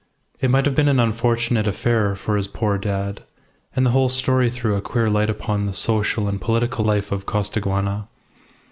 It might have been an unfortunate affair for his poor dad, and the whole story threw a queer light upon the social and political life of Costaguana.